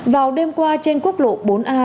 vào đêm qua trên quốc lộ bốn a